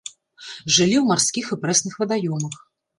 Жылі ў марскіх і прэсных вадаёмах.